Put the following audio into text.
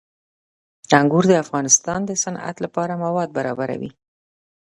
انګور د افغانستان د صنعت لپاره مواد برابروي.